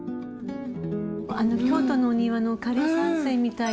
京都のお庭の枯れ山水みたいな。